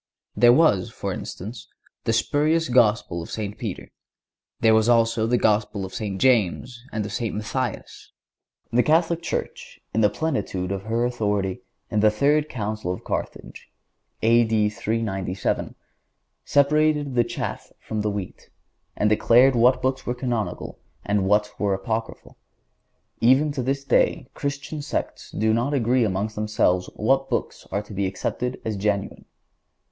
There was, for instance, the spurious Gospel of St. Peter; there was also the Gospel of St. James and of St. Matthias. The Catholic Church, in the plenitude of her authority, in the third Council of Carthage, (A. D. 397,) separated the chaff from the wheat, and declared what Books were Canonical, and what were apocryphal. Even to this day the Christian sects do not agree among themselves as to what books are to be accepted as genuine.